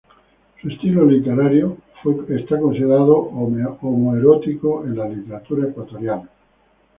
Su estilo literario fue considerado homoerótico en la literatura ecuatoriana.